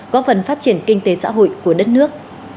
có phần phát triển kinh tế xã hội của đất nước